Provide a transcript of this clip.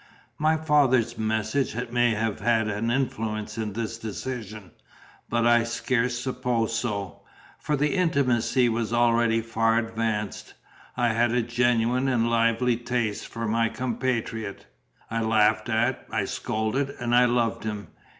My father's message may have had an influence in this decision; but I scarce suppose so, for the intimacy was already far advanced. I had a genuine and lively taste for my compatriot; I laughed at, I scolded, and I loved him.